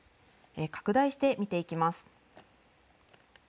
拡大して見ていきます。